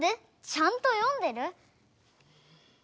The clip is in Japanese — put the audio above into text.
ちゃんと読んでる？